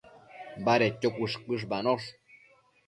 Badedquio cuësh-cuëshbanosh